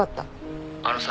あのさ。